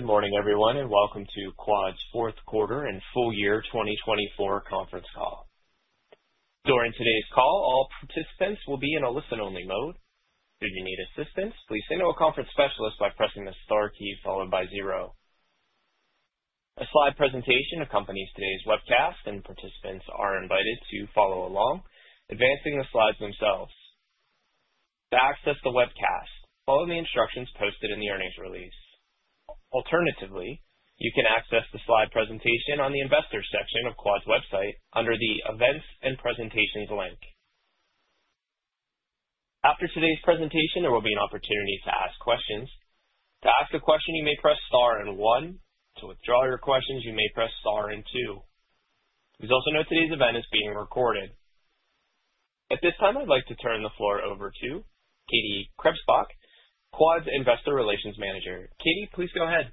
Good morning, everyone, and welcome to Quad's fourth quarter and full year 2024 conference call. During today's call, all participants will be in a listen-only mode. If you need assistance, please say hello to a conference specialist by pressing the star key followed by zero. A slide presentation accompanies today's webcast, and participants are invited to follow along, advancing the slides themselves. To access the webcast, follow the instructions posted in the earnings release. Alternatively, you can access the slide presentation on the investors' section of Quad's website under the events and presentations link. After today's presentation, there will be an opportunity to ask questions. To ask a question, you may press star and one. To withdraw your questions, you may press star and two. Please also note today's event is being recorded. At this time, I'd like to turn the floor over to Katie Krebsbach, Quad's investor relations manager. Katie, please go ahead.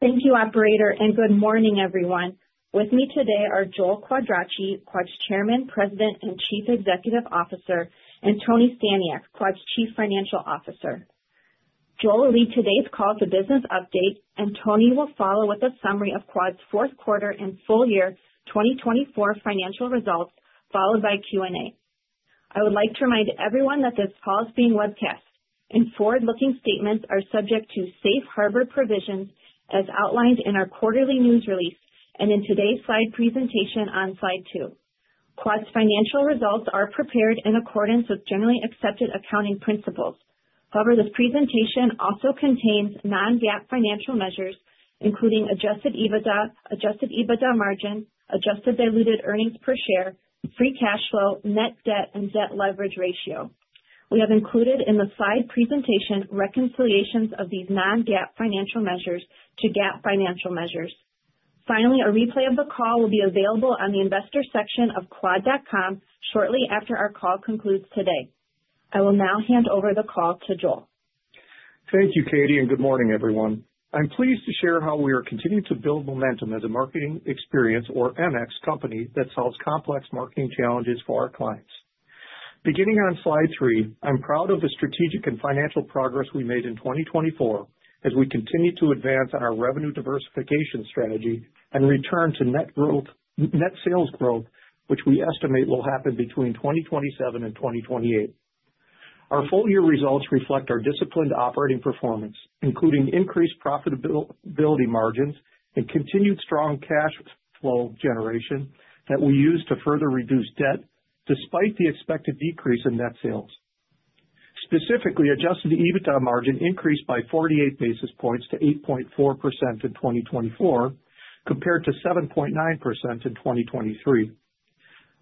Thank you, operator, and good morning, everyone. With me today are Joel Quadracci, Quad's Chairman, President, and Chief Executive Officer, and Tony Staniak, Quad's Chief Financial Officer. Joel will lead today's call as a business update, and Tony will follow with a summary of Quad's fourth quarter and full year 2024 financial results, followed by Q&A. I would like to remind everyone that this call is being webcast, and forward-looking statements are subject to safe harbor provisions as outlined in our quarterly news release and in today's slide presentation on slide two. Quad's financial results are prepared in accordance with generally accepted accounting principles. However, this presentation also contains non-GAAP financial measures, including adjusted EBITDA, adjusted EBITDA margin, adjusted diluted earnings per share, free cash flow, net debt, and debt leverage ratio. We have included in the slide presentation reconciliations of these non-GAAP financial measures to GAAP financial measures. Finally, a replay of the call will be available on the investor section of quad.com shortly after our call concludes today. I will now hand over the call to Joel. Thank you, Katie, and good morning, everyone. I'm pleased to share how we are continuing to build momentum as a marketing experience, or MX, company that solves complex marketing challenges for our clients. Beginning on slide three, I'm proud of the strategic and financial progress we made in 2024 as we continue to advance on our revenue diversification strategy and return to net growth, net sales growth, which we estimate will happen between 2027 and 2028. Our full year results reflect our disciplined operating performance, including increased profitability margins and continued strong cash flow generation that we use to further reduce debt despite the expected decrease in net sales. Specifically, adjusted EBITDA margin increased by 48 basis points to 8.4% in 2024 compared to 7.9% in 2023.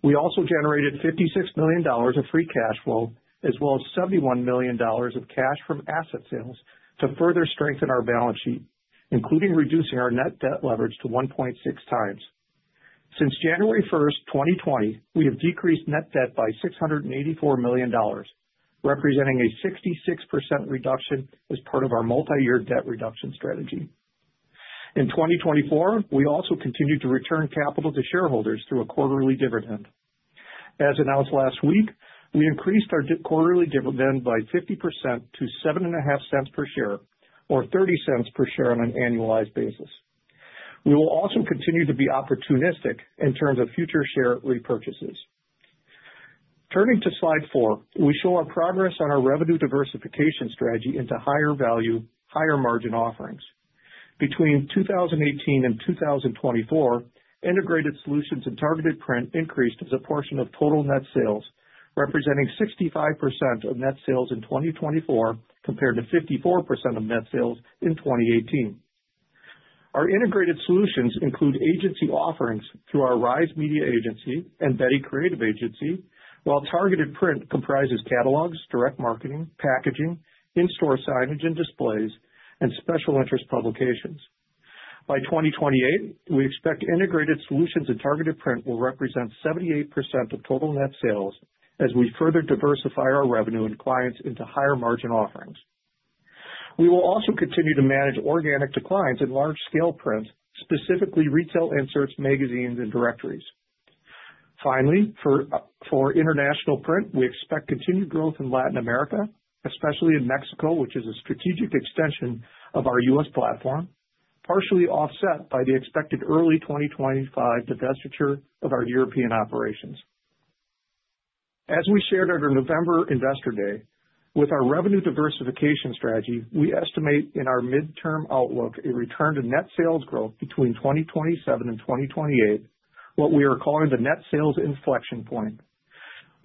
We also generated $56 million of free cash flow as well as $71 million of cash from asset sales to further strengthen our balance sheet, including reducing our net debt leverage to 1.6 times. Since January 1st, 2020, we have decreased net debt by $684 million, representing a 66% reduction as part of our multi-year debt reduction strategy. In 2024, we also continue to return capital to shareholders through a quarterly dividend. As announced last week, we increased our quarterly dividend by 50% to $0.075 per share, or $0.30 per share on an annualized basis. We will also continue to be opportunistic in terms of future share repurchases. Turning to slide four, we show our progress on our revenue diversification strategy into higher value, higher margin offerings. Between 2018 and 2024, Integrated Solutions and Targeted Print increased as a portion of total net sales, representing 65% of net sales in 2024 compared to 54% of net sales in 2018. Our Integrated Solutions include agency offerings through our Rise media agency and Betty creative agency, while Targeted Print comprises catalogs, direct marketing, packaging, in-store signage and displays, and special interest publications. By 2028, we expect Integrated Solutions and Targeted Print will represent 78% of total net sales as we further diversify our revenue and clients into higher margin offerings. We will also continue to manage organic declines in large scale print, specifically retail inserts, magazines, and directories. Finally, for International Print, we expect continued growth in Latin America, especially in Mexico, which is a strategic extension of our U.S. platform, partially offset by the expected early 2025 divestiture of our European operations. As we shared at our November Investor Day, with our revenue diversification strategy, we estimate in our midterm outlook a return to net sales growth between 2027 and 2028, what we are calling the net sales inflection point.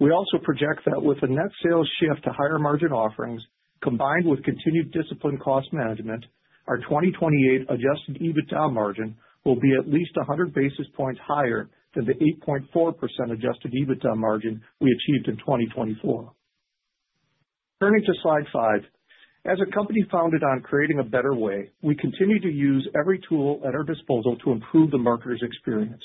We also project that with a net sales shift to higher margin offerings, combined with continued discipline cost management, our 2028 adjusted EBITDA margin will be at least 100 basis points higher than the 8.4% adjusted EBITDA margin we achieved in 2024. Turning to slide five, as a company founded on creating a better way, we continue to use every tool at our disposal to improve the marketers' experience.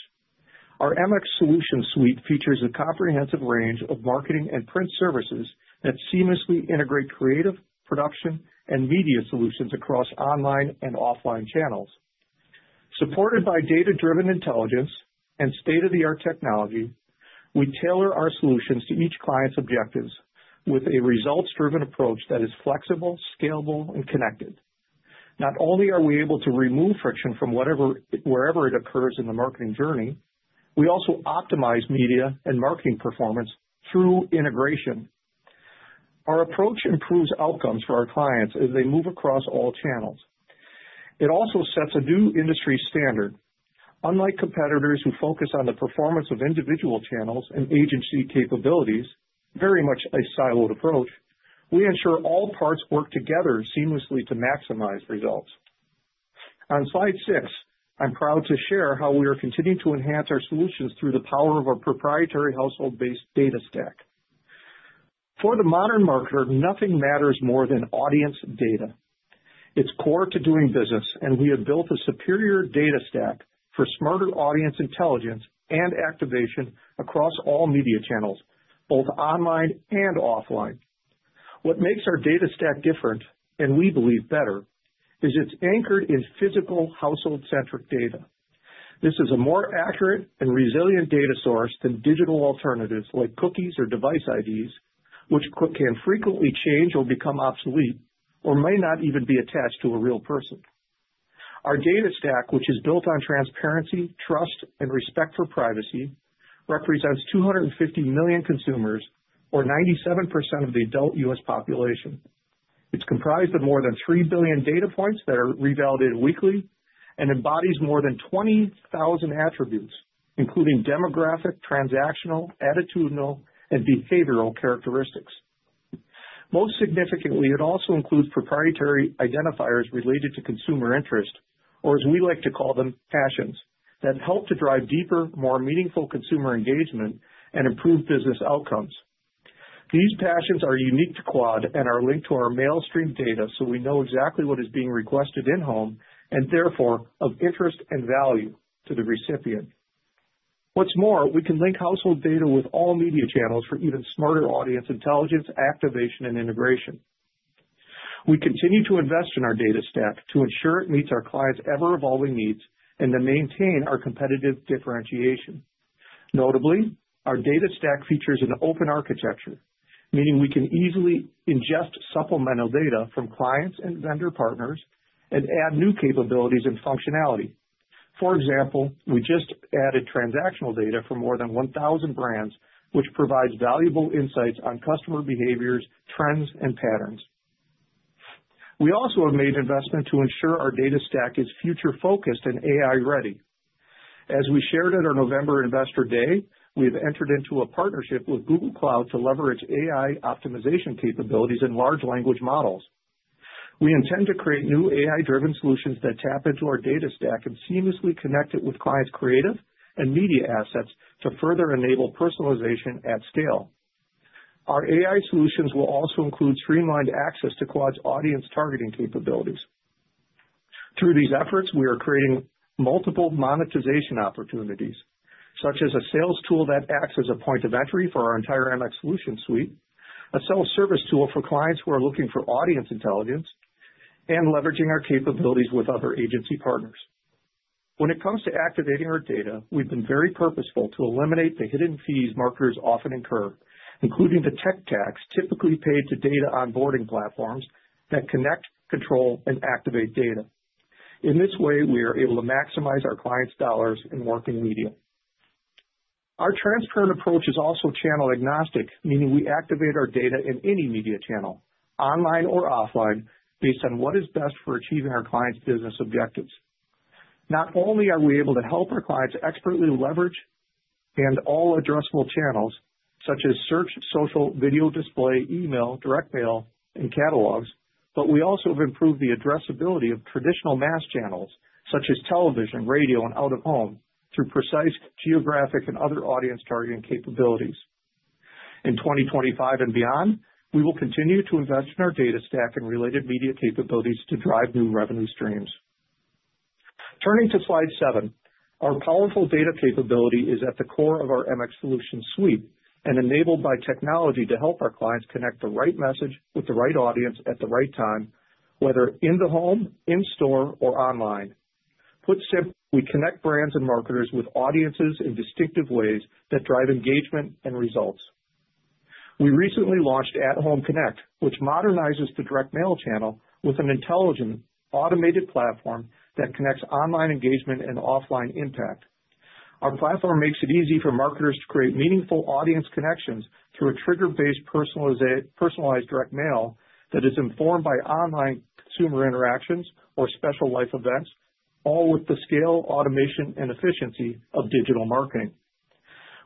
Our MX solution suite features a comprehensive range of marketing and print services that seamlessly integrate creative production and media solutions across online and offline channels. Supported by data-driven intelligence and state-of-the-art technology, we tailor our solutions to each client's objectives with a results-driven approach that is flexible, scalable, and connected. Not only are we able to remove friction from whatever, wherever it occurs in the marketing journey, we also optimize media and marketing performance through integration. Our approach improves outcomes for our clients as they move across all channels. It also sets a new industry standard. Unlike competitors who focus on the performance of individual channels and agency capabilities, very much a siloed approach, we ensure all parts work together seamlessly to maximize results. On slide six, I'm proud to share how we are continuing to enhance our solutions through the power of our proprietary household-based data stack. For the modern marketer, nothing matters more than audience data. It's core to doing business, and we have built a superior data stack for smarter audience intelligence and activation across all media channels, both online and offline. What makes our data stack different, and we believe better, is it's anchored in physical household-centric data. This is a more accurate and resilient data source than digital alternatives like cookies or device IDs, which can frequently change or become obsolete or may not even be attached to a real person. Our data stack, which is built on transparency, trust, and respect for privacy, represents 250 million consumers, or 97% of the adult U.S. population. It's comprised of more than 3 billion data points that are revalidated weekly and embodies more than 20,000 attributes, including demographic, transactional, attitudinal, and behavioral characteristics. Most significantly, it also includes proprietary identifiers related to consumer interest, or as we like to call them, passions, that help to drive deeper, more meaningful consumer engagement and improve business outcomes. These passions are unique to Quad and are linked to our mail stream data so we know exactly what is being requested in home and therefore of interest and value to the recipient. What's more, we can link household data with all media channels for even smarter audience intelligence, activation, and integration. We continue to invest in our data stack to ensure it meets our clients' ever-evolving needs and to maintain our competitive differentiation. Notably, our data stack features an open architecture, meaning we can easily ingest supplemental data from clients and vendor partners and add new capabilities and functionality. For example, we just added transactional data for more than 1,000 brands, which provides valuable insights on customer behaviors, trends, and patterns. We also have made investment to ensure our data stack is future-focused and AI-ready. As we shared at our November Investor Day, we have entered into a partnership with Google Cloud to leverage AI optimization capabilities and large language models. We intend to create new AI-driven solutions that tap into our data stack and seamlessly connect it with clients' creative and media assets to further enable personalization at scale. Our AI solutions will also include streamlined access to Quad's audience targeting capabilities. Through these efforts, we are creating multiple monetization opportunities, such as a sales tool that acts as a point of entry for our entire MX solution suite, a self-service tool for clients who are looking for audience intelligence, and leveraging our capabilities with other agency partners. When it comes to activating our data, we've been very purposeful to eliminate the hidden fees marketers often incur, including the tech tax typically paid to data onboarding platforms that connect, control, and activate data. In this way, we are able to maximize our clients' dollars in working media. Our transparent approach is also channel agnostic, meaning we activate our data in any media channel, online or offline, based on what is best for achieving our clients' business objectives. Not only are we able to help our clients expertly leverage and all addressable channels, such as search, social, video display, email, direct mail, and catalogs, but we also have improved the addressability of traditional mass channels, such as television, radio, and out-of-home, through precise geographic and other audience targeting capabilities. In 2025 and beyond, we will continue to invest in our data stack and related media capabilities to drive new revenue streams. Turning to slide seven, our powerful data capability is at the core of our MX solution suite and enabled by technology to help our clients connect the right message with the right audience at the right time, whether in the home, in store, or online. Put simply, we connect brands and marketers with audiences in distinctive ways that drive engagement and results. We recently launched At-Home Connect, which modernizes the direct mail channel with an intelligent automated platform that connects online engagement and offline impact. Our platform makes it easy for marketers to create meaningful audience connections through a trigger-based personalized direct mail that is informed by online consumer interactions or special life events, all with the scale, automation, and efficiency of digital marketing.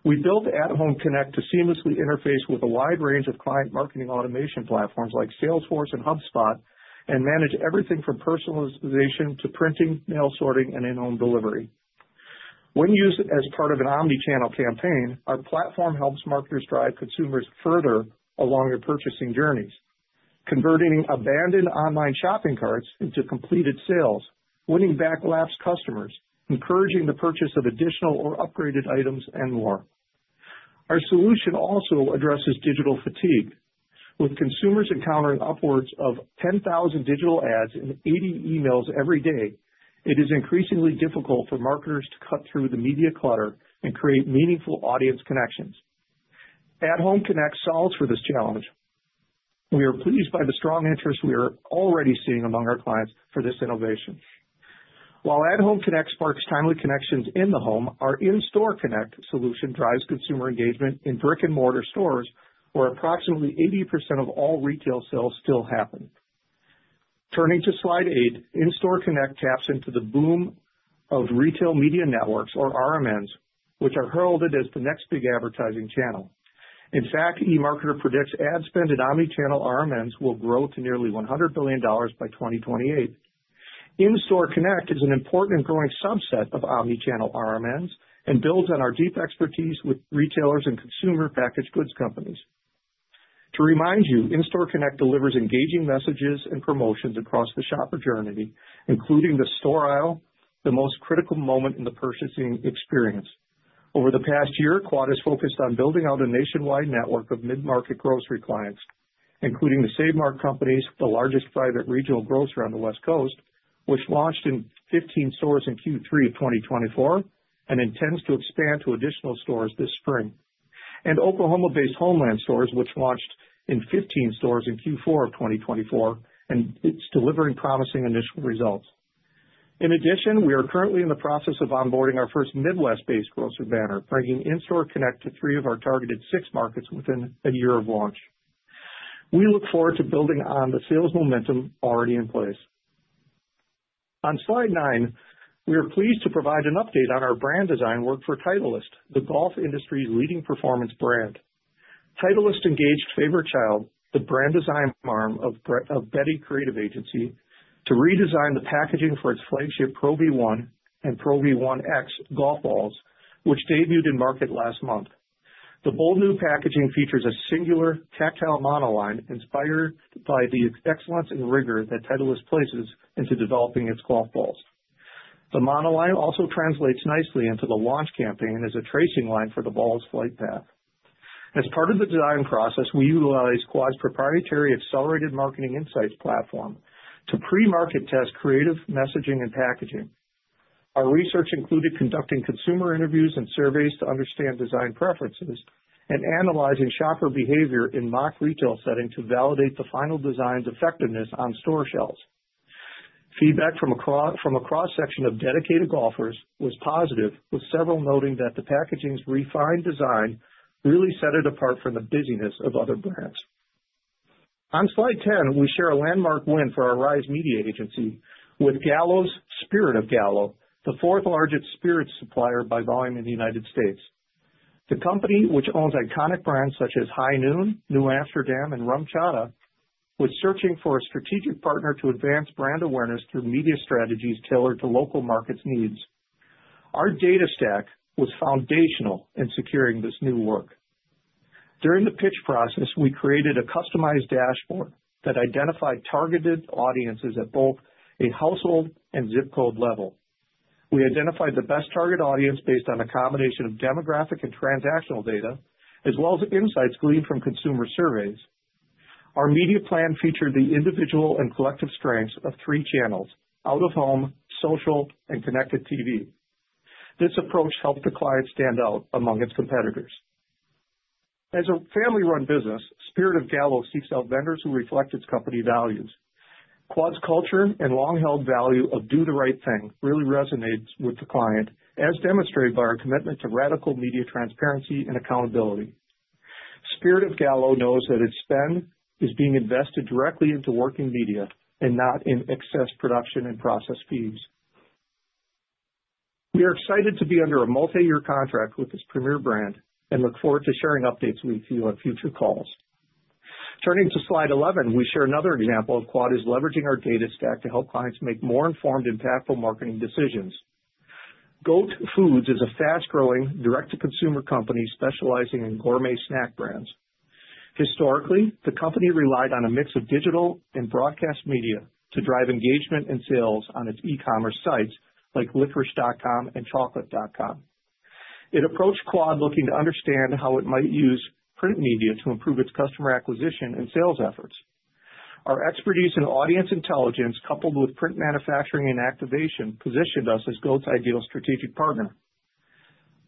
We built At-Home Connect to seamlessly interface with a wide range of client marketing automation platforms like Salesforce and HubSpot and manage everything from personalization to printing, mail sorting, and in-home delivery. When used as part of an omnichannel campaign, our platform helps marketers drive consumers further along their purchasing journeys, converting abandoned online shopping carts into completed sales, winning back lapsed customers, encouraging the purchase of additional or upgraded items, and more. Our solution also addresses digital fatigue. With consumers encountering upwards of 10,000 digital ads and 80 emails every day, it is increasingly difficult for marketers to cut through the media clutter and create meaningful audience connections. At-Home Connect solves for this challenge. We are pleased by the strong interest we are already seeing among our clients for this innovation. While At-Home Connect sparks timely connections in the home, our In-Store Connect solution drives consumer engagement in brick-and-mortar stores, where approximately 80% of all retail sales still happen. Turning to slide eight, In-Store Connect taps into the boom of Retail Media Networks, or RMNs, which are heralded as the next big advertising channel. In fact, eMarketer predicts ad spend in omnichannel RMNs will grow to nearly $100 billion by 2028. In-Store Connect is an important and growing subset of omnichannel RMNs and builds on our deep expertise with retailers and consumer packaged goods companies. To remind you, In-Store Connect delivers engaging messages and promotions across the shopper journey, including the store aisle, the most critical moment in the purchasing experience. Over the past year, Quad has focused on building out a nationwide network of mid-market grocery clients, including the Save Mart Companies, the largest private regional grocer on the West Coast, which launched in 15 stores in Q3 of 2024 and intends to expand to additional stores this spring, and Oklahoma-based Homeland Stores, which launched in 15 stores in Q4 of 2024 and is delivering promising initial results. In addition, we are currently in the process of onboarding our first Midwest-based grocery banner, bringing In-Store Connect to three of our targeted six markets within a year of launch. We look forward to building on the sales momentum already in place. On slide nine, we are pleased to provide an update on our brand design work for Titleist, the golf industry's leading performance brand. Titleist engaged Favorite Child, the brand design arm of Betty, to redesign the packaging for its flagship Pro V1 and Pro V1x golf balls, which debuted in market last month. The bold new packaging features a singular tactile monoline inspired by the excellence and rigor that Titleist places into developing its golf balls. The monoline also translates nicely into the launch campaign as a tracing line for the ball's flight path. As part of the design process, we utilize Quad's proprietary Accelerated Marketing Insights platform to pre-market test creative messaging and packaging. Our research included conducting consumer interviews and surveys to understand design preferences and analyzing shopper behavior in mock retail settings to validate the final design's effectiveness on store shelves. Feedback from a cross-section of dedicated golfers was positive, with several noting that the packaging's refined design really set it apart from the busyness of other brands. On slide 10, we share a landmark win for our Rise media agency with Gallo’s Spirit of Gallo, the fourth largest spirits supplier by volume in the United States. The company, which owns iconic brands such as High Noon, New Amsterdam, and RumChata, was searching for a strategic partner to advance brand awareness through media strategies tailored to local markets' needs. Our data stack was foundational in securing this new work. During the pitch process, we created a customized dashboard that identified targeted audiences at both a household and ZIP code level. We identified the best target audience based on a combination of demographic and transactional data, as well as insights gleaned from consumer surveys. Our media plan featured the individual and collective strengths of three channels: out of home, social, and connected TV. This approach helped the client stand out among its competitors. As a family-run business, Spirit of Gallo seeks out vendors who reflect its company values. Quad's culture and long-held value of do the right thing really resonates with the client, as demonstrated by our commitment to radical media transparency and accountability. Spirit of Gallo knows that its spend is being invested directly into working media and not in excess production and process fees. We are excited to be under a multi-year contract with this premier brand and look forward to sharing updates with you at future calls. Turning to slide 11, we share another example of Quad is leveraging our data stack to help clients make more informed, impactful marketing decisions. G.O.A.T. Foods is a fast-growing direct-to-consumer company specializing in gourmet snack brands. Historically, the company relied on a mix of digital and broadcast media to drive engagement and sales on its e-commerce sites like licorice.com and chocolate.com. It approached Quad looking to understand how it might use print media to improve its customer acquisition and sales efforts. Our expertise in audience intelligence, coupled with print manufacturing and activation, positioned us as G.O.A.T.'s ideal strategic partner.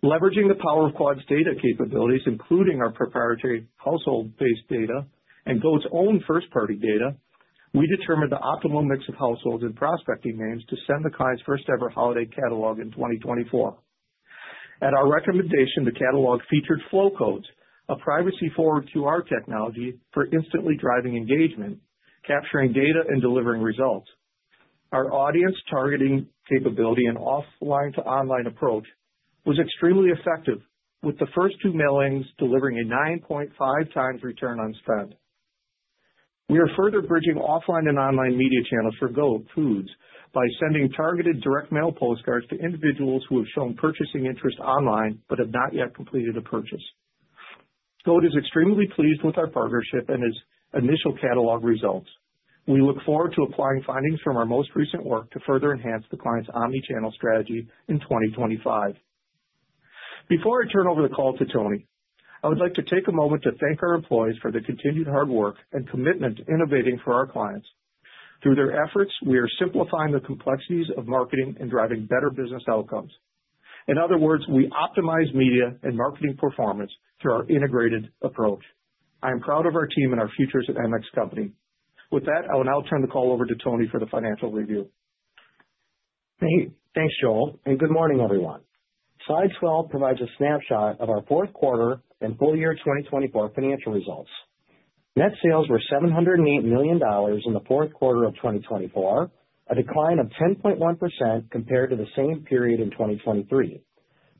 Leveraging the power of Quad's data capabilities, including our proprietary household-based data and G.O.A.T.'s own first-party data, we determined the optimal mix of households and prospecting names to send the client's first-ever holiday catalog in 2024. At our recommendation, the catalog featured Flowcode, a privacy-forward QR technology for instantly driving engagement, capturing data and delivering results. Our audience targeting capability and offline-to-online approach was extremely effective, with the first two mailings delivering a 9.5 times return on spend. We are further bridging offline and online media channels for G.O.A.T. Foods by sending targeted direct mail postcards to individuals who have shown purchasing interest online but have not yet completed a purchase. G.O.A.T. is extremely pleased with our partnership and its initial catalog results. We look forward to applying findings from our most recent work to further enhance the client's omnichannel strategy in 2025. Before I turn over the call to Tony, I would like to take a moment to thank our employees for their continued hard work and commitment to innovating for our clients. Through their efforts, we are simplifying the complexities of marketing and driving better business outcomes. In other words, we optimize media and marketing performance through our integrated approach. I am proud of our team and our futures at MX company. With that, I will now turn the call over to Tony for the financial review. Thanks, Joel, and good morning, everyone. Slide 12 provides a snapshot of our fourth quarter and full year 2024 financial results. Net sales were $708 million in the fourth quarter of 2024, a decline of 10.1% compared to the same period in 2023.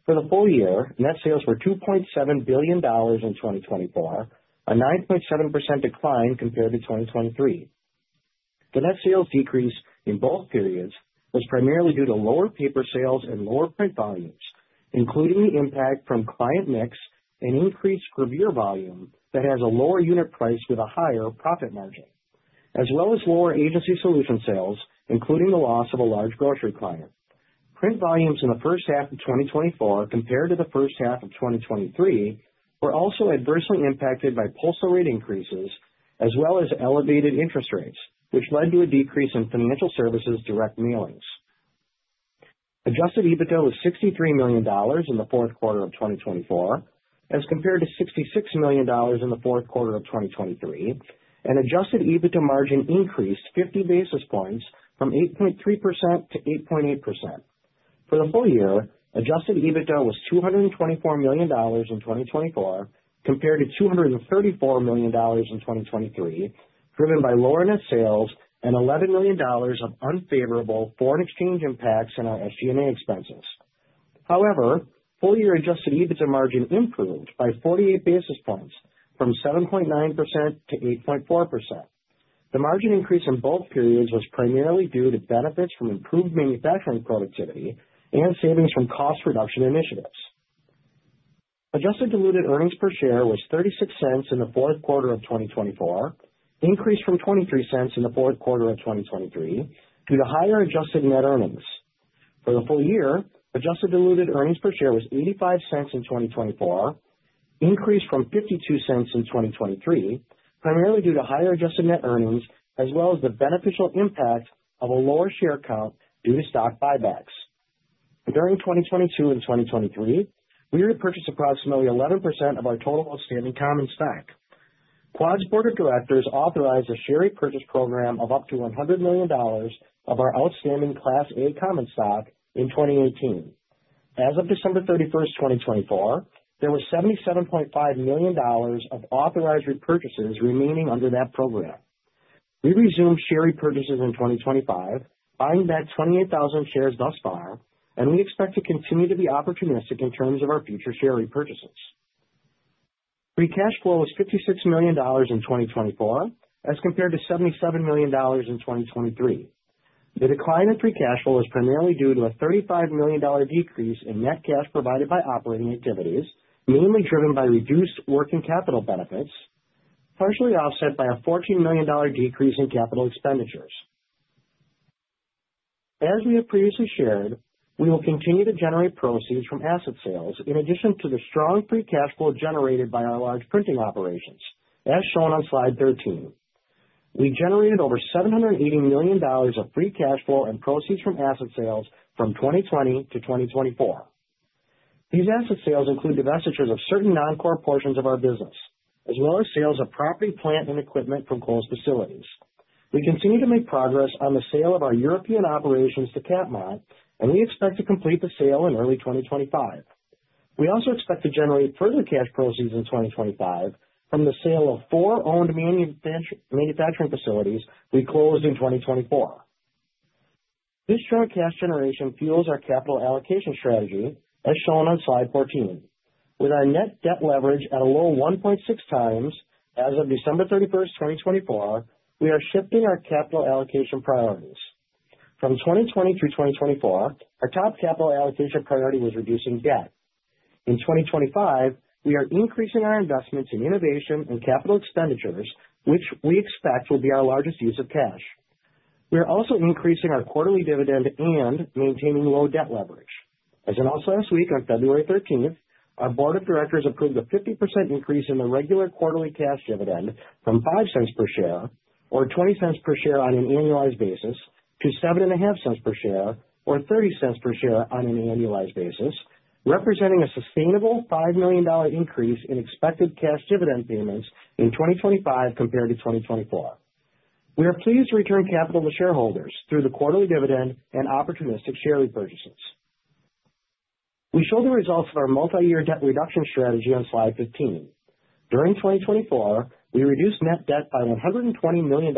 For the full year, net sales were $2.7 billion in 2024, a 9.7% decline compared to 2023. The net sales decrease in both periods was primarily due to lower paper sales and lower print volumes, including the impact from client mix and increased review volume that has a lower unit price with a higher profit margin, as well as lower agency solution sales, including the loss of a large grocery client. Print volumes in the first half of 2024 compared to the first half of 2023 were also adversely impacted by postage rate increases, as well as elevated interest rates, which led to a decrease in financial services direct mailings. Adjusted EBITDA was $63 million in the fourth quarter of 2024, as compared to $66 million in the fourth quarter of 2023, and adjusted EBITDA margin increased 50 basis points from 8.3% to 8.8%. For the full year, adjusted EBITDA was $224 million in 2024, compared to $234 million in 2023, driven by lower net sales and $11 million of unfavorable foreign exchange impacts in our SG&A expenses. However, full year adjusted EBITDA margin improved by 48 basis points from 7.9% to 8.4%. The margin increase in both periods was primarily due to benefits from improved manufacturing productivity and savings from cost reduction initiatives. Adjusted diluted earnings per share was $0.36 in the fourth quarter of 2024, increased from $0.23 in the fourth quarter of 2023 due to higher adjusted net earnings. For the full year, adjusted diluted earnings per share was $0.85 in 2024, increased from $0.52 in 2023, primarily due to higher adjusted net earnings, as well as the beneficial impact of a lower share count due to stock buybacks. During 2022 and 2023, we repurchased approximately 11% of our total outstanding common stock. Quad's board of directors authorized a share repurchase program of up to $100 million of our outstanding Class A common stock in 2018. As of December 31st, 2024, there were $77.5 million of authorized repurchases remaining under that program. We resumed share repurchases in 2025, buying back 28,000 shares thus far, and we expect to continue to be opportunistic in terms of our future share repurchases. Free cash flow was $56 million in 2024, as compared to $77 million in 2023. The decline in free cash flow was primarily due to a $35 million decrease in net cash provided by operating activities, mainly driven by reduced working capital benefits, partially offset by a $14 million decrease in capital expenditures. As we have previously shared, we will continue to generate proceeds from asset sales, in addition to the strong free cash flow generated by our large printing operations, as shown on slide 13. We generated over $780 million of free cash flow and proceeds from asset sales from 2020 to 2024. These asset sales include the divestitures of certain non-core portions of our business, as well as sales of property, plant, and equipment from Quad's facilities. We continue to make progress on the sale of our European operations to Capmont, and we expect to complete the sale in early 2025. We also expect to generate further cash proceeds in 2025 from the sale of four owned manufacturing facilities we closed in 2024. This short cash generation fuels our capital allocation strategy, as shown on slide 14. With our net debt leverage at a low 1.6 times as of December 31st, 2024, we are shifting our capital allocation priorities. From 2020 through 2024, our top capital allocation priority was reducing debt. In 2025, we are increasing our investments in innovation and capital expenditures, which we expect will be our largest use of cash. We are also increasing our quarterly dividend and maintaining low debt leverage. As announced last week on February 13th, our Board of Directors approved a 50% increase in the regular quarterly cash dividend from $0.05 per share, or $0.20 per share on an annualized basis, to $0.075 per share, or $0.30 per share on an annualized basis, representing a sustainable $5 million increase in expected cash dividend payments in 2025 compared to 2024. We are pleased to return capital to shareholders through the quarterly dividend and opportunistic share repurchases. We show the results of our multi-year debt reduction strategy on slide 15. During 2024, we reduced net debt by $120 million,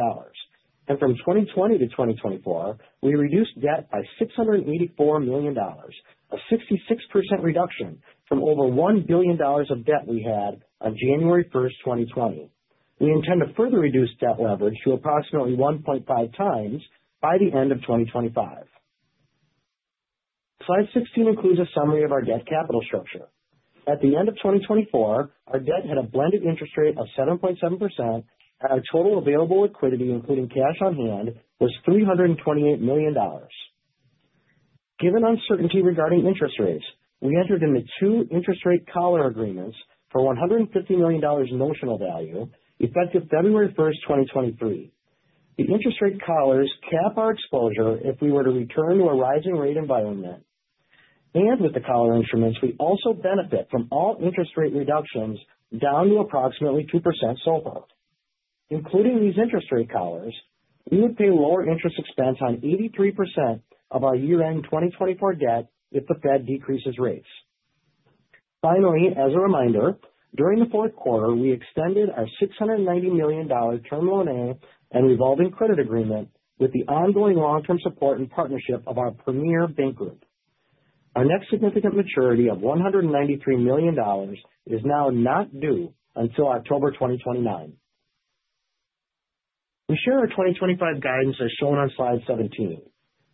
and from 2020 to 2024, we reduced debt by $684 million, a 66% reduction from over $1 billion of debt we had on January 1st, 2020. We intend to further reduce debt leverage to approximately 1.5 times by the end of 2025. Slide 16 includes a summary of our debt capital structure. At the end of 2024, our debt had a blended interest rate of 7.7%, and our total available liquidity, including cash on hand, was $328 million. Given uncertainty regarding interest rates, we entered into two interest rate collar agreements for $150 million notional value, effective February 1st, 2023. The interest rate collars cap our exposure if we were to return to a rising rate environment, and with the collar instruments, we also benefit from all interest rate reductions down to approximately 2% so far. Including these interest rate collars, we would pay lower interest expense on 83% of our year-end 2024 debt if the Fed decreases rates. Finally, as a reminder, during the fourth quarter, we extended our $690 million term loan and revolving credit agreement with the ongoing long-term support and partnership of our premier bank group. Our next significant maturity of $193 million is now not due until October 2029. We share our 2025 guidance as shown on slide 17.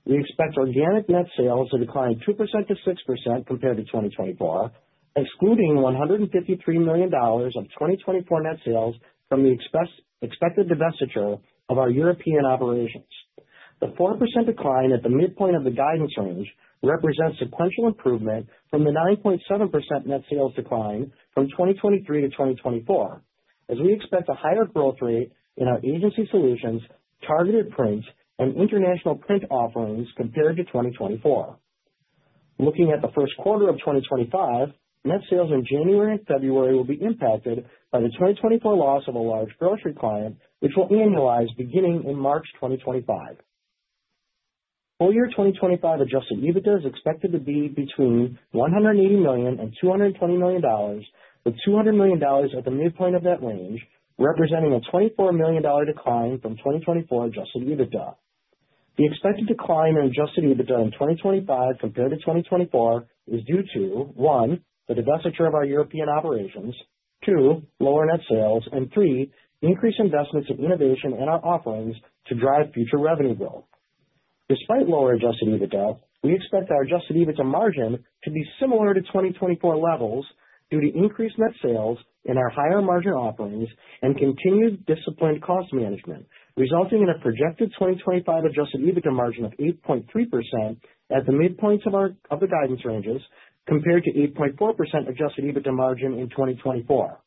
We expect organic net sales to decline 2% to 6% compared to 2024, excluding $153 million of 2024 net sales from the expected divestiture of our European operations. The 4% decline at the midpoint of the guidance range represents sequential improvement from the 9.7% net sales decline from 2023 to 2024, as we expect a higher growth rate in our agency solutions, targeted print, and international print offerings compared to 2024. Looking at the first quarter of 2025, net sales in January and February will be impacted by the 2024 loss of a large grocery client, which will annualize beginning in March 2025. Full-year 2025 adjusted EBITDA is expected to be between $180 million and $220 million, with $200 million at the midpoint of that range, representing a $24 million decline from 2024 adjusted EBITDA. The expected decline in adjusted EBITDA in 2025 compared to 2024 is due to, one, the divestiture of our European operations, two, lower net sales, and three, increased investments in innovation and our offerings to drive future revenue growth. Despite lower adjusted EBITDA, we expect our adjusted EBITDA margin to be similar to 2024 levels due to increased net sales in our higher margin offerings and continued disciplined cost management, resulting in a projected 2025 adjusted EBITDA margin of 8.3% at the midpoint of the guidance ranges compared to 8.4% adjusted EBITDA margin in 2024.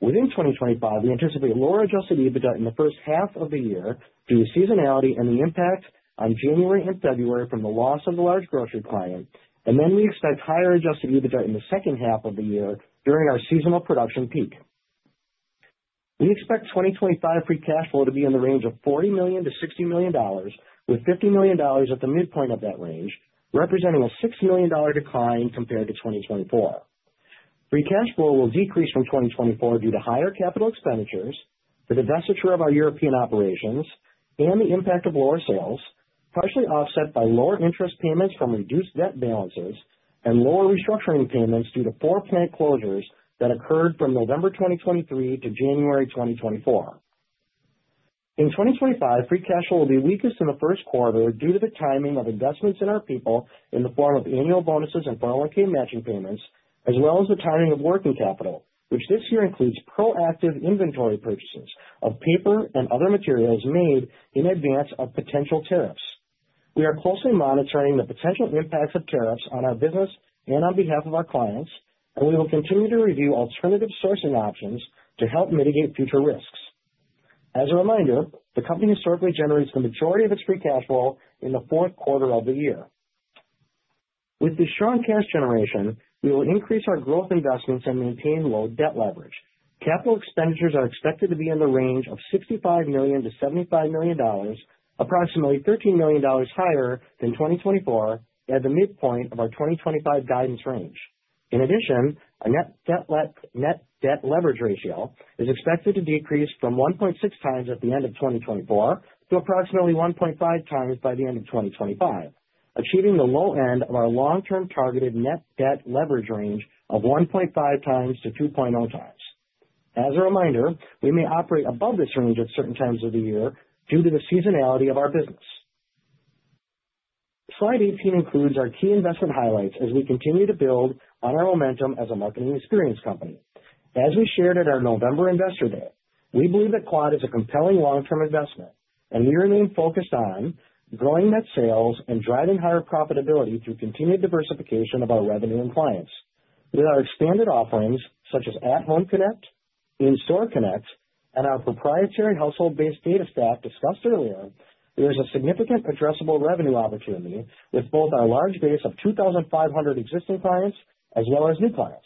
Within 2025, we anticipate lower adjusted EBITDA in the first half of the year due to seasonality and the impact on January and February from the loss of the large grocery client, and then we expect higher adjusted EBITDA in the second half of the year during our seasonal production peak. We expect 2025 free cash flow to be in the range of $40 million-$60 million, with $50 million at the midpoint of that range, representing a $6 million decline compared to 2024. Free cash flow will decrease from 2024 due to higher capital expenditures, the divestiture of our European operations, and the impact of lower sales, partially offset by lower interest payments from reduced debt balances and lower restructuring payments due to four plant closures that occurred from November 2023 to January 2024. In 2025, free cash flow will be weakest in the first quarter due to the timing of investments in our people in the form of annual bonuses and 401(k) matching payments, as well as the timing of working capital, which this year includes proactive inventory purchases of paper and other materials made in advance of potential tariffs. We are closely monitoring the potential impacts of tariffs on our business and on behalf of our clients, and we will continue to review alternative sourcing options to help mitigate future risks. As a reminder, the company historically generates the majority of its free cash flow in the fourth quarter of the year. With the strong cash generation, we will increase our growth investments and maintain low debt leverage. Capital expenditures are expected to be in the range of $65 million-$75 million, approximately $13 million higher than 2024 at the midpoint of our 2025 guidance range. In addition, our net debt leverage ratio is expected to decrease from 1.6 times at the end of 2024 to approximately 1.5 times by the end of 2025, achieving the low end of our long-term targeted net debt leverage range of 1.5 times to 2.0 times. As a reminder, we may operate above this range at certain times of the year due to the seasonality of our business. Slide 18 includes our key investment highlights as we continue to build on our momentum as a marketing experience company. As we shared at our November Investor Day, we believe that Quad is a compelling long-term investment, and we remain focused on growing net sales and driving higher profitability through continued diversification of our revenue and clients. With our expanded offerings, such as At-Home Connect, In-Store Connect, and our proprietary household-based data stack discussed earlier, there is a significant addressable revenue opportunity with both our large base of 2,500 existing clients as well as new clients.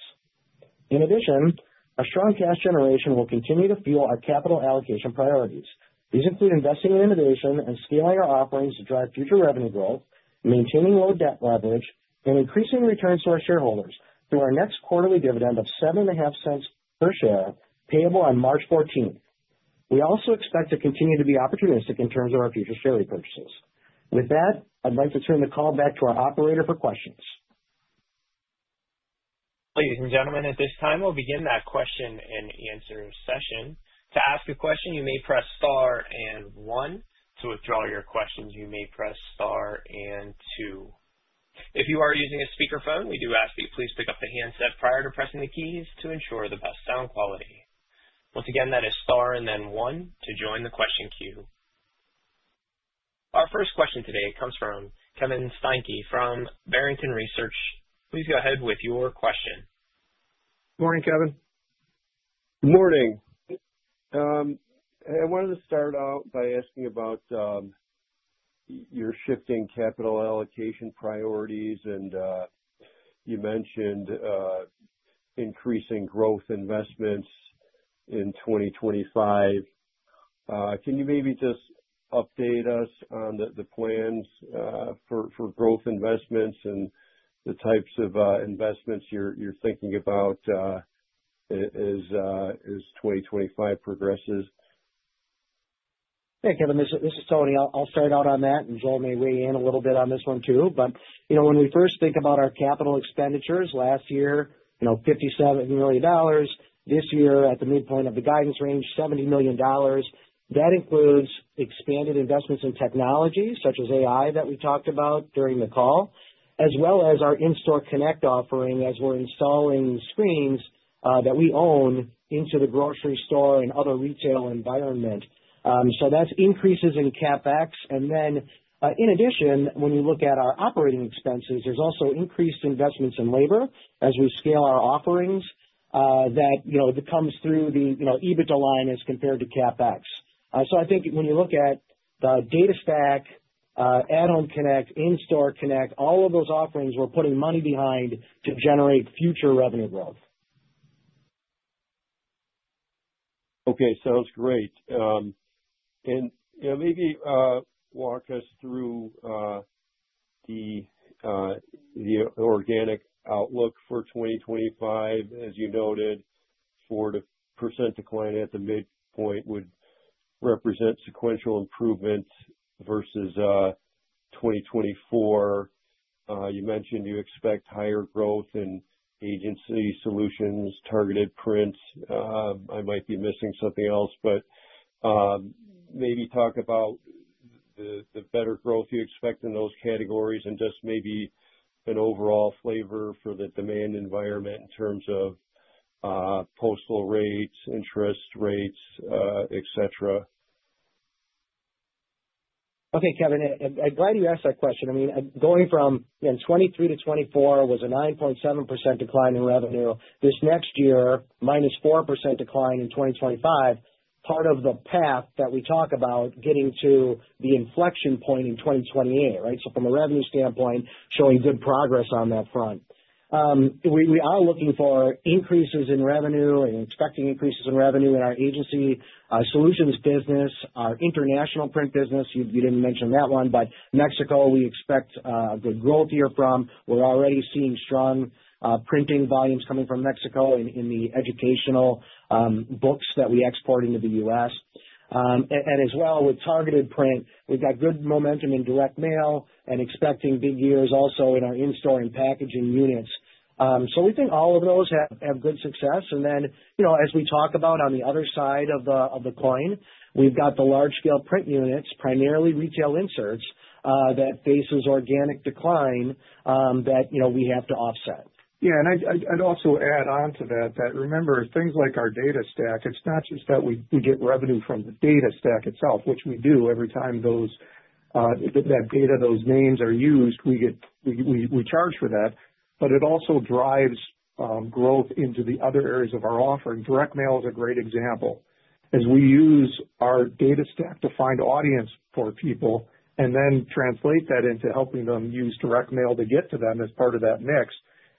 In addition, our strong cash generation will continue to fuel our capital allocation priorities. These include investing in innovation and scaling our offerings to drive future revenue growth, maintaining low debt leverage, and increasing returns to our shareholders through our next quarterly dividend of $0.75 per share payable on March 14th. We also expect to continue to be opportunistic in terms of our future share repurchases. With that, I'd like to turn the call back to our operator for questions. Ladies and gentlemen, at this time, we'll begin that question and answer session. To ask a question, you may press star and one. To withdraw your questions, you may press star and two. If you are using a speakerphone, we do ask that you please pick up the handset prior to pressing the keys to ensure the best sound quality. Once again, that is star and then one to join the question queue. Our first question today comes from Kevin Steinke from Barrington Research. Please go ahead with your question. Morning, Kevin. Good morning. I wanted to start out by asking about your shifting capital allocation priorities, and you mentioned increasing growth investments in 2025. Can you maybe just update us on the plans for growth investments and the types of investments you're thinking about as 2025 progresses? Hey, Kevin, this is Tony. I'll start out on that, and Joel may weigh in a little bit on this one too. But when we first think about our capital expenditures last year, $57 million, this year at the midpoint of the guidance range, $70 million, that includes expanded investments in technologies such as AI that we talked about during the call, as well as our In-Store Connect offering as we're installing screens that we own into the grocery store and other retail environment. So that's increases in CapEx. And then, in addition, when you look at our operating expenses, there's also increased investments in labor as we scale our offerings that comes through the EBITDA line as compared to CapEx. So I think when you look at the data stack, At-Home Connect, In-Store Connect, all of those offerings, we're putting money behind to generate future revenue growth. Okay, sounds great. And maybe walk us through the organic outlook for 2025. As you noted, 4% decline at the midpoint would represent sequential improvement versus 2024. You mentioned you expect higher growth in Agency Solutions, Targeted Print. I might be missing something else, but maybe talk about the better growth you expect in those categories and just maybe an overall flavor for the demand environment in terms of postal rates, interest rates, etc. Okay, Kevin, I'm glad you asked that question. I mean, going from 2023 to 2024 was a 9.7% decline in revenue. This next year, minus 4% decline in 2025, part of the path that we talk about getting to the inflection point in 2028, right? So, from a revenue standpoint, showing good progress on that front. We are looking for increases in revenue and expecting increases in revenue in our Agency Solutions business, our International Print business. You didn't mention that one, but Mexico, we expect good growth here from. We're already seeing strong printing volumes coming from Mexico in the educational books that we export into the U.S. And as well, with Targeted Print, we've got good momentum in direct mail and expecting big years also in our in-store and packaging units. So we think all of those have good success. And then, as we talk about on the other side of the coin, we've got the large-scale print units, primarily retail inserts, that face organic decline that we have to offset. Yeah, and I'd also add on to that that, remember, things like our data stack. It's not just that we get revenue from the data stack itself, which we do every time that data, those names are used. We charge for that. But it also drives growth into the other areas of our offering. Direct mail is a great example. As we use our data stack to find audience for people and then translate that into helping them use direct mail to get to them as part of that mix.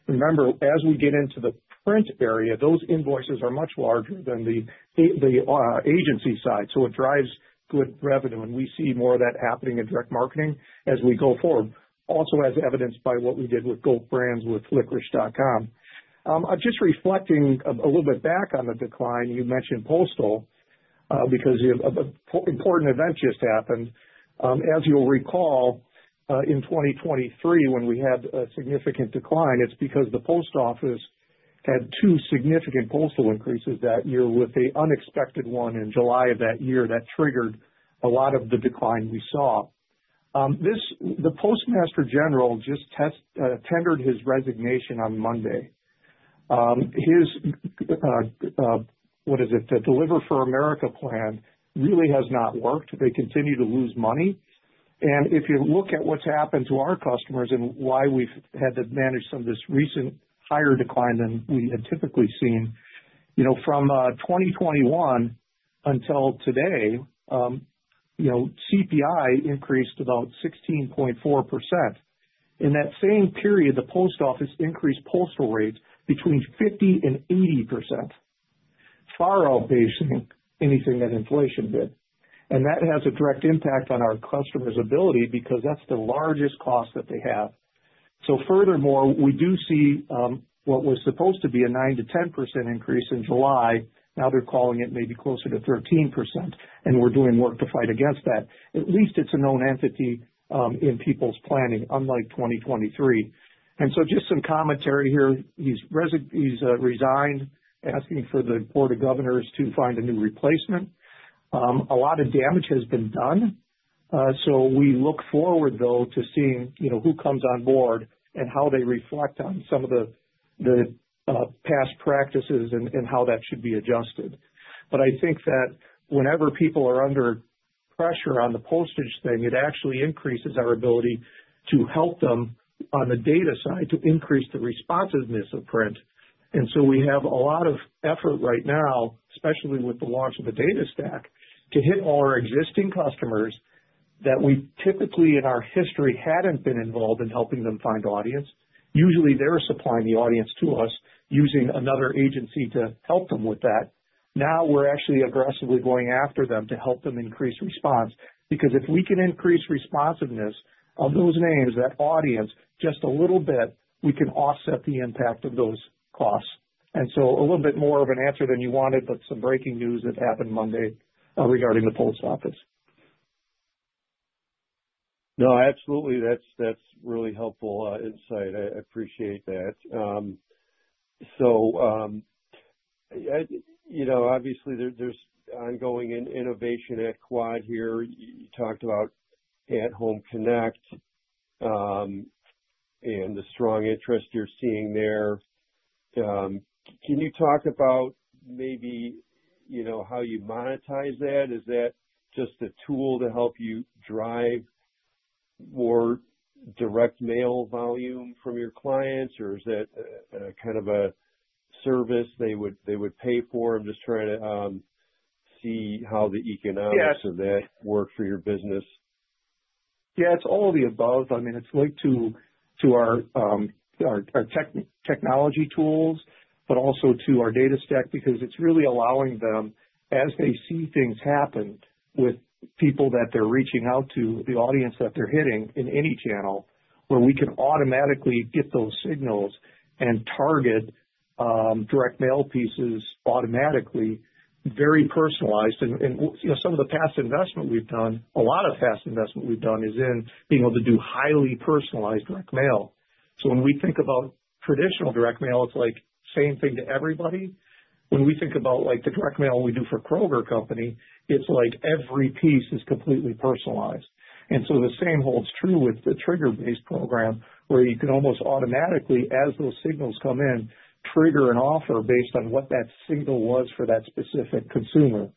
Remember, as we get into the print area, those invoices are much larger than the agency side. So it drives good revenue, and we see more of that happening in direct marketing as we go forward, also as evidenced by what we did with G.O.A.T. brands with licorice.com. Just reflecting a little bit back on the decline, you mentioned postal because an important event just happened. As you'll recall, in 2023, when we had a significant decline, it's because the Post Office had two significant postal increases that year with an unexpected one in July of that year that triggered a lot of the decline we saw. The Postmaster General just tendered his resignation on Monday. His, what is it, the Deliver for America plan really has not worked. They continue to lose money. And if you look at what's happened to our customers and why we've had to manage some of this recent higher decline than we had typically seen, from 2021 until today, CPI increased about 16.4%. In that same period, the Post Office increased postal rates between 50% and 80%, far outpacing anything that inflation did. That has a direct impact on our customers' ability because that's the largest cost that they have. Furthermore, we do see what was supposed to be a 9%-10% increase in July. Now they're calling it maybe closer to 13%, and we're doing work to fight against that. At least it's a known entity in people's planning, unlike 2023. Just some commentary here. He's resigned, asking for the Board of Governors to find a new replacement. A lot of damage has been done. We look forward, though, to seeing who comes on board and how they reflect on some of the past practices and how that should be adjusted. But I think that whenever people are under pressure on the postage thing, it actually increases our ability to help them on the data side to increase the responsiveness of print. And so we have a lot of effort right now, especially with the launch of the data stack, to hit all our existing customers that we typically in our history hadn't been involved in helping them find audience. Usually, they're supplying the audience to us using another agency to help them with that. Now we're actually aggressively going after them to help them increase response. Because if we can increase responsiveness of those names, that audience, just a little bit, we can offset the impact of those costs. And so a little bit more of an answer than you wanted, but some breaking news that happened Monday regarding the Post Office. No, absolutely. That's really helpful insight. I appreciate that. So obviously, there's ongoing innovation at Quad here. You talked about At-Home Connect and the strong interest you're seeing there. Can you talk about maybe how you monetize that? Is that just a tool to help you drive more direct mail volume from your clients, or is that kind of a service they would pay for? I'm just trying to see how the economics of that work for your business. Yeah, it's all of the above. I mean, it's linked to our technology tools, but also to our data stack because it's really allowing them, as they see things happen with people that they're reaching out to, the audience that they're hitting in any channel, where we can automatically get those signals and target direct mail pieces automatically, very personalized. And some of the past investment we've done, a lot of past investment we've done is in being able to do highly personalized direct mail. So when we think about traditional direct mail, it's like same thing to everybody. When we think about the direct mail we do for Kroger Company, it's like every piece is completely personalized. And so the same holds true with the trigger-based program, where you can almost automatically, as those signals come in, trigger an offer based on what that signal was for that specific consumer.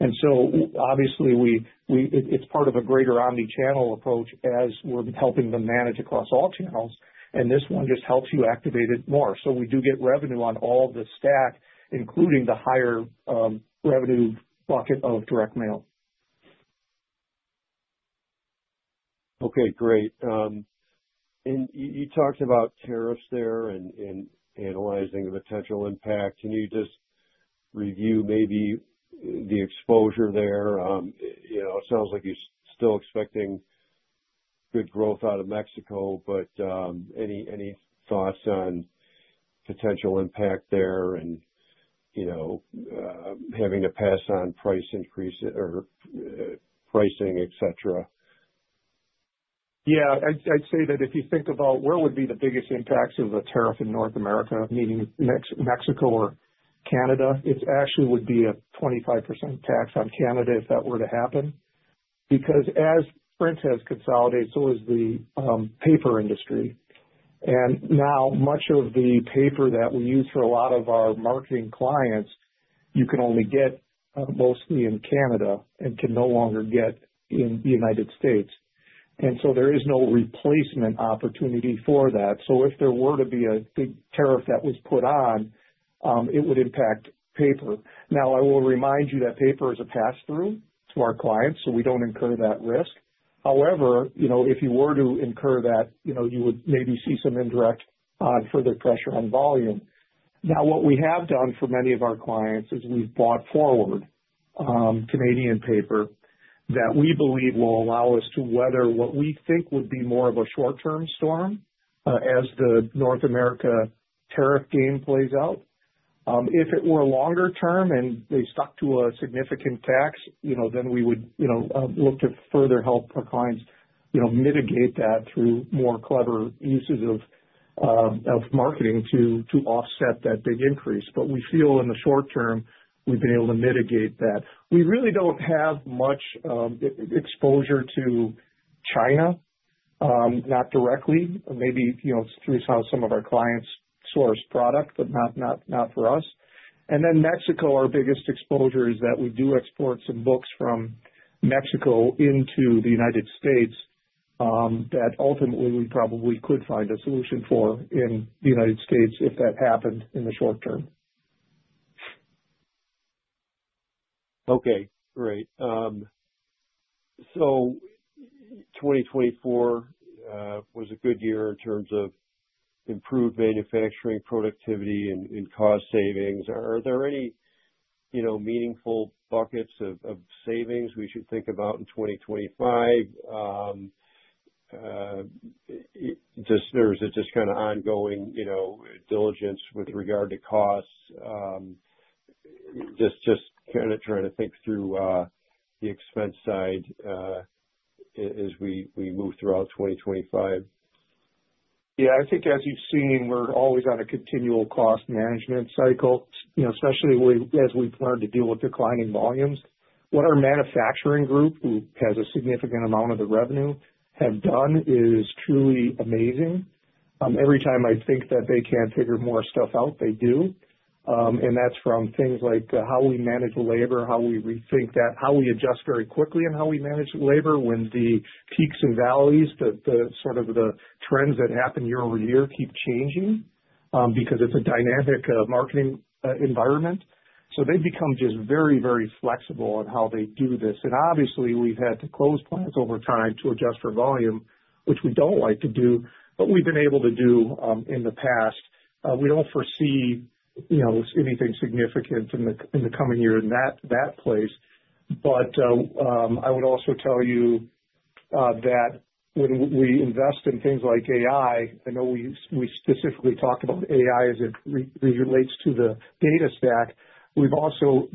And so obviously, it's part of a greater omnichannel approach as we're helping them manage across all channels, and this one just helps you activate it more. So we do get revenue on all the stack, including the higher revenue bucket of direct mail. Okay, great. And you talked about tariffs there and analyzing the potential impact. Can you just review maybe the exposure there? It sounds like you're still expecting good growth out of Mexico, but any thoughts on potential impact there and having a pass-on price increase or pricing, etc.? Yeah, I'd say that if you think about where would be the biggest impacts of the tariff in North America, meaning Mexico or Canada, it actually would be a 25% tax on Canada if that were to happen. Because as print has consolidated, so has the paper industry. And now much of the paper that we use for a lot of our marketing clients, you can only get mostly in Canada and can no longer get in the United States. And so there is no replacement opportunity for that. So if there were to be a big tariff that was put on, it would impact paper. Now, I will remind you that paper is a pass-through to our clients, so we don't incur that risk. However, if you were to incur that, you would maybe see some indirect further pressure on volume. Now, what we have done for many of our clients is we've bought forward Canadian paper that we believe will allow us to weather what we think would be more of a short-term storm as the North America tariff game plays out. If it were longer term and they stuck to a significant tax, then we would look to further help our clients mitigate that through more clever uses of marketing to offset that big increase. But we feel in the short term, we've been able to mitigate that. We really don't have much exposure to China, not directly. Maybe it's through how some of our clients source product, but not for us. And then Mexico, our biggest exposure is that we do export some books from Mexico into the United States that ultimately we probably could find a solution for in the United States if that happened in the short term. Okay, great. So 2024 was a good year in terms of improved manufacturing productivity and cost savings. Are there any meaningful buckets of savings we should think about in 2025? Or is it just kind of ongoing diligence with regard to costs? Just kind of trying to think through the expense side as we move throughout 2025. Yeah, I think as you've seen, we're always on a continual cost management cycle, especially as we plan to deal with declining volumes. What our manufacturing group, who has a significant amount of the revenue, have done is truly amazing. Every time I think that they can't figure more stuff out, they do. That's from things like how we manage labor, how we rethink that, how we adjust very quickly in how we manage labor when the peaks and valleys, the sort of the trends that happen year over year keep changing because it's a dynamic marketing environment. So they've become just very, very flexible on how they do this. And obviously, we've had to close plants over time to adjust for volume, which we don't like to do, but we've been able to do in the past. We don't foresee anything significant in the coming year in that place. But I would also tell you that when we invest in things like AI, I know we specifically talked about AI as it relates to the data stack. We've also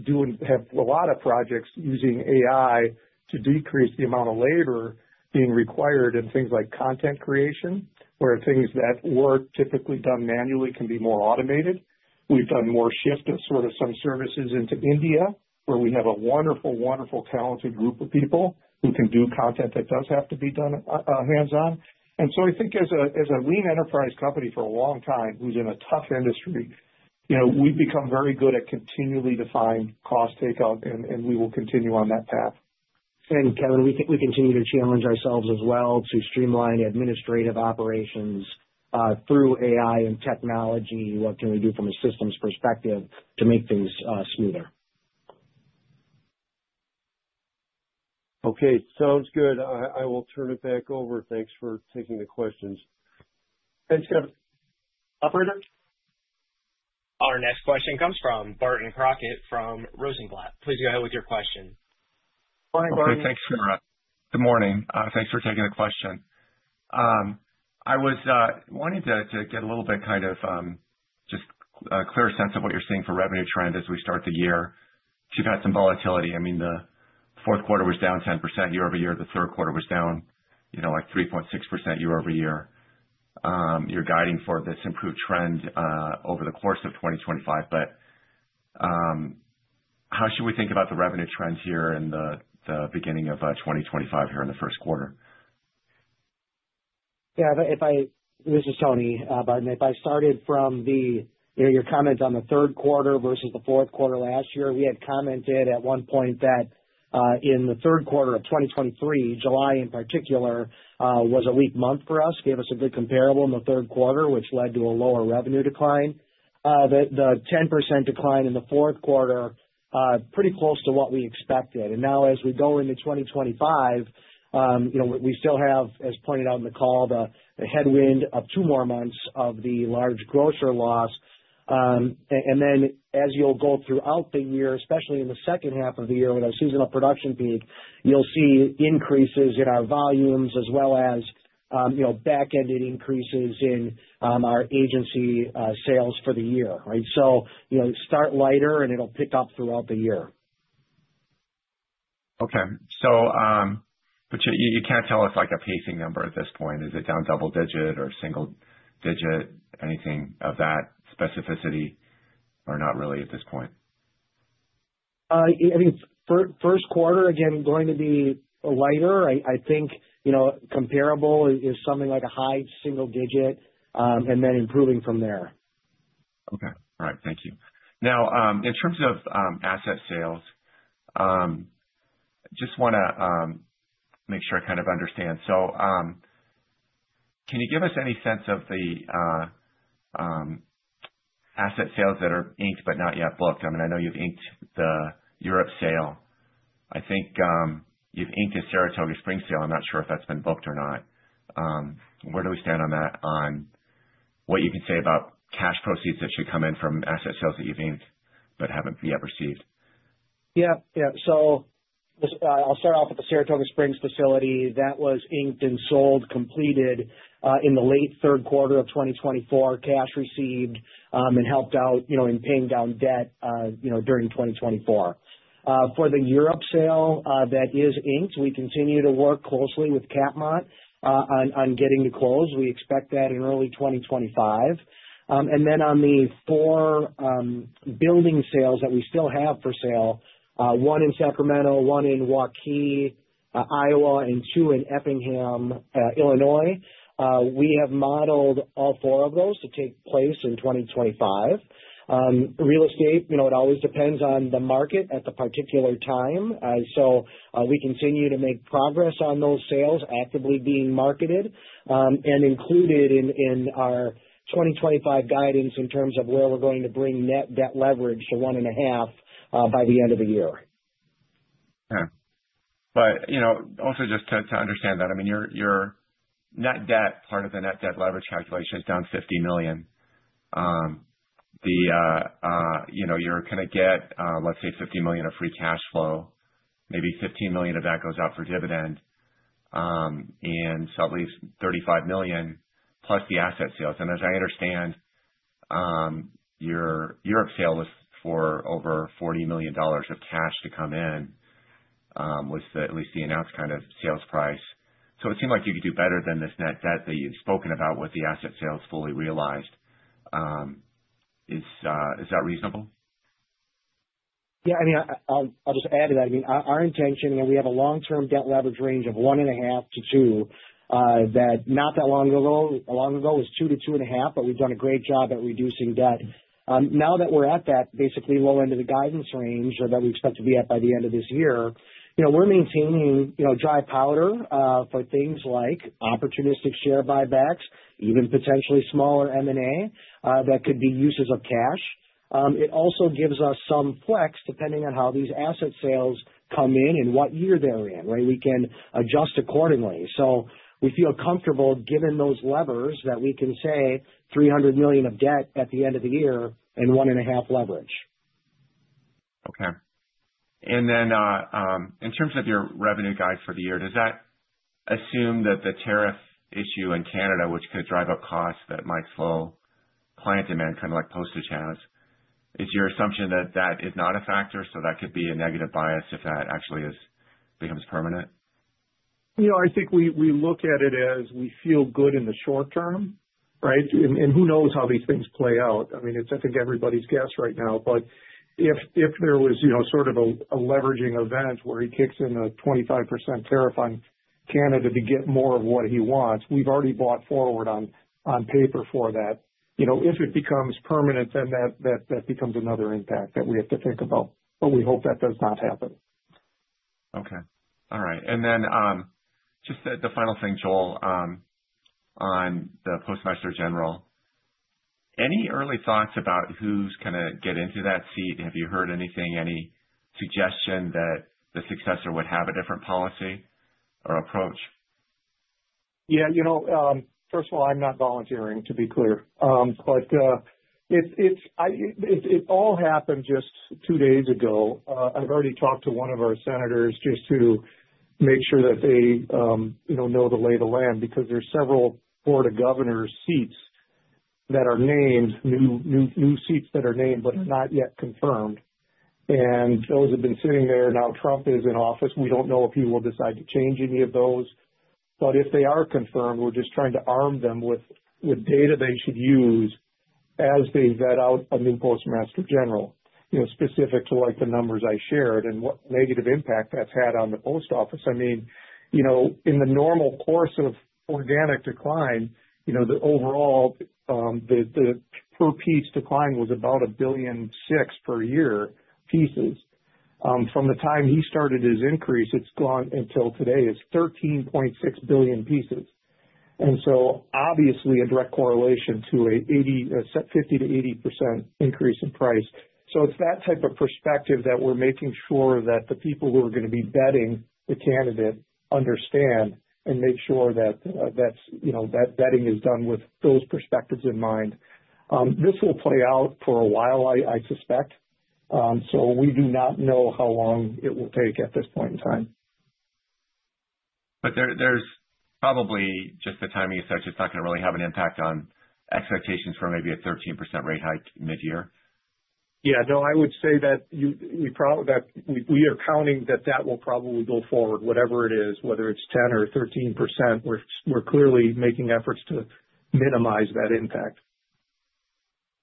had a lot of projects using AI to decrease the amount of labor being required in things like content creation, where things that were typically done manually can be more automated. We've done more shift of sort of some services into India, where we have a wonderful, wonderful talented group of people who can do content that does have to be done hands-on, and so I think as a lean enterprise company for a long time, who's in a tough industry, we've become very good at continually defining cost takeout, and we will continue on that path, and Kevin, we continue to challenge ourselves as well to streamline administrative operations through AI and technology. What can we do from a systems perspective to make things smoother. Okay, sounds good. I will turn it back over. Thanks for taking the questions. Thanks, Kevin. Operator? Our next question comes from Barton Crockett from Rosenblatt. Please go ahead with your question. Hi, Barton. Thanks, for— Good morning. Thanks for taking the question. I was wanting to get a little bit kind of just a clearer sense of what you're seeing for revenue trend as we start the year. You've had some volatility. I mean, the fourth quarter was down 10% year-over-year. The third quarter was down like 3.6% year-over-year. You're guiding for this improved trend over the course of 2025. But how should we think about the revenue trend here in the beginning of 2025 here in the first quarter? Yeah, this is Tony, Barton. If I started from your comments on the third quarter versus the fourth quarter last year, we had commented at one point that in the third quarter of 2023, July in particular was a weak month for us, gave us a good comparable in the third quarter, which led to a lower revenue decline. The 10% decline in the fourth quarter, pretty close to what we expected. And now as we go into 2025, we still have, as pointed out in the call, the headwind of two more months of the large grocer loss. And then as you'll go throughout the year, especially in the second half of the year with our seasonal production peak, you'll see increases in our volumes as well as back-ended increases in our agency sales for the year, right? So start lighter and it'll pick up throughout the year. Okay. But you can't tell us like a pacing number at this point. Is it down double-digit or single-digit? Anything of that specificity? Or not really at this point? I mean, first quarter, again, going to be lighter. I think comparable is something like a high single-digit and then improving from there. Okay. All right. Thank you. Now, in terms of asset sales, I just want to make sure I kind of understand. So can you give us any sense of the asset sales that are inked but not yet booked? I mean, I know you've inked the Europe sale. I think you've inked a Saratoga Springs sale. I'm not sure if that's been booked or not. Where do we stand on that? On what you can say about cash proceeds that should come in from asset sales that you've inked but haven't yet received? Yeah, yeah. I'll start off with the Saratoga Springs facility that was inked and sold, completed in the late third quarter of 2024, cash received and helped out in paying down debt during 2024. For the Europe sale that is inked, we continue to work closely with Capmont on getting to close. We expect that in early 2025. And then on the four building sales that we still have for sale, one in Sacramento, one in Waukee, Iowa, and two in Effingham, Illinois, we have modeled all four of those to take place in 2025. Real estate, it always depends on the market at the particular time. So we continue to make progress on those sales actively being marketed and included in our 2025 guidance in terms of where we're going to bring net debt leverage to one and a half by the end of the year. Okay. But also just to understand that, I mean, your net debt, part of the net debt leverage calculation is down $50 million. You're going to get, let's say, $50 million of free cash flow. Maybe $15 million of that goes out for dividend and slightly $35 million plus the asset sales. And as I understand, your Europe sale was for over $40 million of cash to come in, was at least the announced kind of sales price. So it seemed like you could do better than this net debt that you've spoken about with the asset sales fully realized. Is that reasonable? Yeah. I mean, I'll just add to that. I mean, our intention, we have a long-term debt leverage range of 1.5 to 2 that not that long ago. A long time ago was 2 to 2.5, but we've done a great job at reducing debt. Now that we're at that basically low end of the guidance range that we expect to be at by the end of this year, we're maintaining dry powder for things like opportunistic share buybacks, even potentially smaller M&A that could be uses of cash. It also gives us some flex depending on how these asset sales come in and what year they're in, right? We can adjust accordingly. So we feel comfortable given those levers that we can say $300 million of debt at the end of the year and 1.5 leverage. Okay. And then in terms of your revenue guide for the year, does that assume that the tariff issue in Canada, which could drive up costs that might slow client demand kind of like postage has, is your assumption that that is not a factor? So that could be a negative bias if that actually becomes permanent? Yeah, I think we look at it as we feel good in the short term, right? And who knows how these things play out? I mean, it's, I think, everybody's guess right now. But if there was sort of a leveraging event where he kicks in a 25% tariff on Canada to get more of what he wants, we've already bought forward on paper for that. If it becomes permanent, then that becomes another impact that we have to think about. But we hope that does not happen. Okay. All right. And then just the final thing, Joel, on the Postmaster General, any early thoughts about who's going to get into that seat? Have you heard anything, any suggestion that the successor would have a different policy or approach? Yeah. First of all, I'm not volunteering, to be clear. But it all happened just two days ago. I've already talked to one of our senators just to make sure that they know the lay of the land because there's several Board of Governors seats that are named, new seats that are named, but are not yet confirmed. And those have been sitting there. Now Trump is in office. We don't know if he will decide to change any of those. But if they are confirmed, we're just trying to arm them with data they should use as they vet out a new Postmaster General specific to the numbers I shared and what negative impact that's had on the Post Office. I mean, in the normal course of organic decline, the overall per piece decline was about 1.6 billion per year pieces. From the time he started his increase, it's gone until today is 13.6 billion pieces. And so obviously a direct correlation to a 50%-80% increase in price. So it's that type of perspective that we're making sure that the people who are going to be vetting the candidate understand and make sure that that vetting is done with those perspectives in mind. This will play out for a while, I suspect. So we do not know how long it will take at this point in time. But there's probably just the timing you said; it's not going to really have an impact on expectations for maybe a 13% rate hike mid-year? Yeah. No, I would say that we are counting that that will probably go forward, whatever it is, whether it's 10% or 13%. We're clearly making efforts to minimize that impact.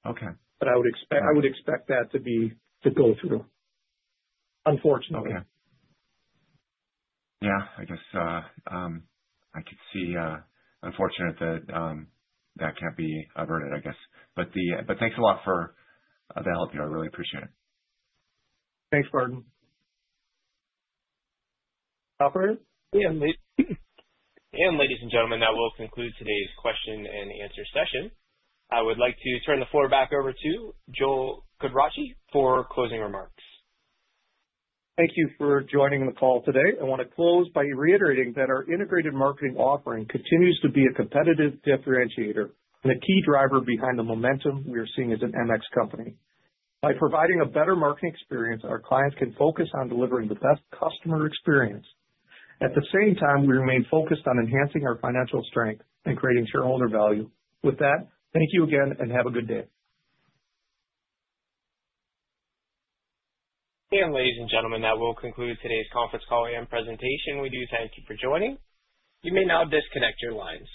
But I would expect that to go through, unfortunately. Yeah. Yeah. I guess it's unfortunate that that can't be averted, I guess. But thanks a lot for the help here. I really appreciate it. Thanks, Barton. Operator. And ladies and gentlemen, that will conclude today's question and answer session. I would like to turn the floor back over to Joel Quadracci for closing remarks. Thank you for joining the call today. I want to close by reiterating that our integrated marketing offering continues to be a competitive differentiator and a key driver behind the momentum we are seeing as an MX company. By providing a better marketing experience, our clients can focus on delivering the best customer experience. At the same time, we remain focused on enhancing our financial strength and creating shareholder value. With that, thank you again and have a good day. And ladies and gentlemen, that will conclude today's conference call and presentation. We do thank you for joining. You may now disconnect your lines.